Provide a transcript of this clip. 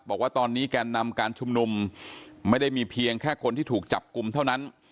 บอกว่าตอนนี้แกนนำการชุมนุมไม่ได้มีเพียงแค่คนที่ถูกจับกลุ่มเท่านั้น